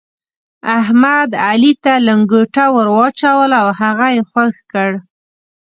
احمد، علي ته لنګته ور واچوله او هغه يې خوږ کړ.